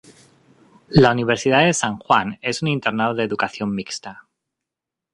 La universidad de San Juan es un internado de educación mixta.